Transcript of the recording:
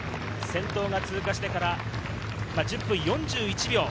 先頭が通過してから１０分４１秒。